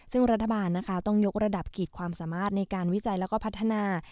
ซึ่งรัฐบาลต้องยกระดับกิจความสามารถในการวิจัยและพัฒนา